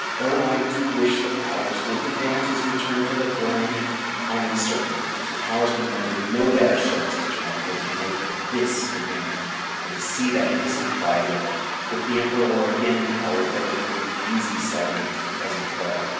Oh! I do wish that the Powers would demand his return to the throne! I am certain that the Powers can render no better service to China than to make this demand and see to it that it is complied with. If the Emperor were again in power there would be an easy settlement of the present trouble.